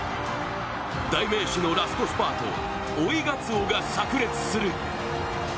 代名詞のラストスパート追いガツオが炸裂する。